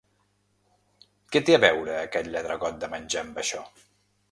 Què té a veure aquest lladregot de menjar amb això.